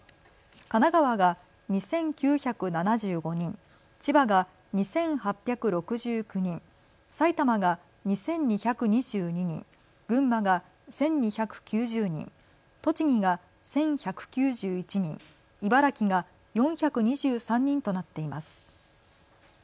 神奈川が２９７５人、千葉が２８６９人、埼玉が２２２２人、群馬が１２９０人、栃木が１１９１人、茨城が４２３人となっています。